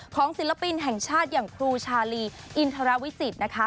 ศิลปินแห่งชาติอย่างครูชาลีอินทรวิจิตรนะคะ